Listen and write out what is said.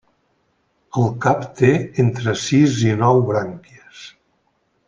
El cap té entre sis i nou brànquies.